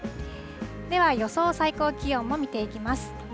では予想最高気温も見ていきます。